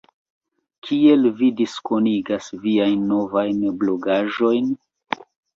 Kiel vi diskonigas viajn novajn blogaĵojn?